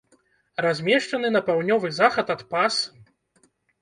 Размешчаны на паўднёвы захад ад пас.